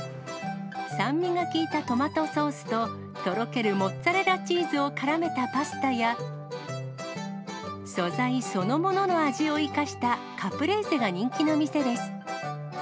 酸味が効いたトマトソースと、とろけるモッツァレラチーズをからめたパスタや、素材そのものの味を生かしたカプレーゼが人気の店です。